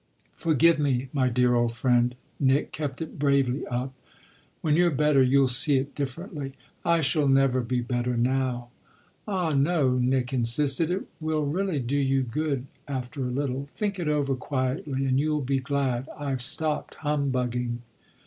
"Forgive me, my dear old friend," Nick kept it bravely up. "When you're better you'll see it differently." "I shall never be better now." "Ah no," Nick insisted; "it will really do you good after a little. Think it over quietly and you'll be glad I've stopped humbugging."